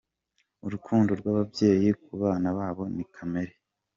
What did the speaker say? Urukundo rw’ababyeyi ku bana babo ni kamere.